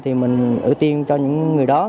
thì mình ưu tiên cho những người đó